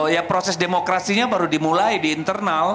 ya proses demokrasinya baru dimulai di internal